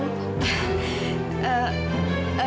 untuk apa bu